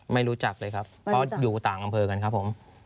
ไม่รู้จักเลยครับเพราะอยู่ต่างอำเภอกันครับผม